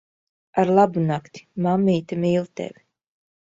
Arlabunakti. Mammīte mīl tevi.